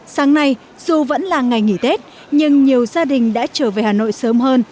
sáng nay dù vẫn là ngày nghỉ tết nhưng nhiều gia đình đã trở về hà nội sớm hơn